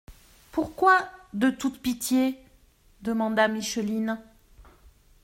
—«Pourquoi «de toute pitié»? demanda Micheline.